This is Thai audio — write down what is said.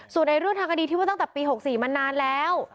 ส่วนในเรื่องทางคดีที่ว่าตั้งแต่ปี๖๔มานานแล้ว